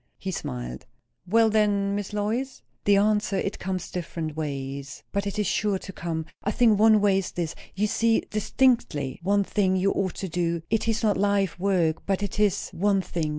He smiled. "Well, then, Miss Lois?" "The answer? It comes different ways. But it is sure to come. I think one way is this, You see distinctly one thing you ought to do; it is not life work, but it is one thing.